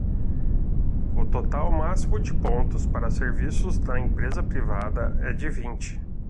O total máximo de pontos para serviços na empresa privada é de vinte.